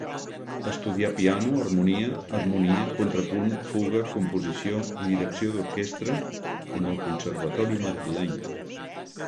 Estudià piano, harmonia, harmonia, contrapunt, fuga, composició i direcció d'orquestra en el Conservatori madrileny.